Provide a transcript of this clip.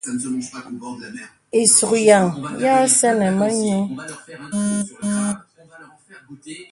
Isùkyan ya sɛ̂nì mə nyùù.